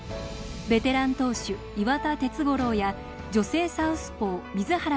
ベテラン投手岩田鉄五郎や女性サウスポー水原